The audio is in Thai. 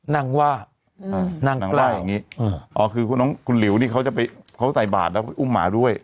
นั่งว่านั่งว่าอย่างนี้อ๋อคือคุณหลิวนี่เขาจะไปเขาใส่บาทแล้วก็อุ้มหมาด้วย